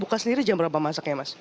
buka sendiri jam berapa masaknya mas